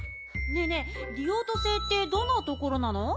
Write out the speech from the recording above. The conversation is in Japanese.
ねえねえリオート星ってどんなところなの？